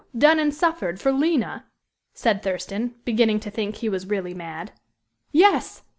done and suffered for Lina!" said Thurston, beginning to think he was really mad. "Yes!